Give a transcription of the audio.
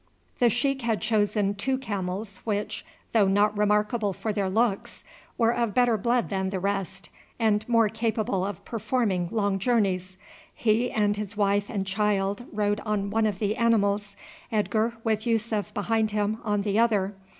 The sheik had chosen two camels which, though not remarkable for their looks, were of better blood than the rest, and more capable of performing long journeys. He and his wife and child rode on one of the animals, Edgar with Yussuf behind him on the other.